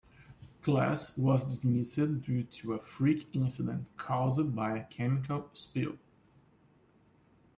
Class was dismissed due to a freak incident caused by a chemical spill.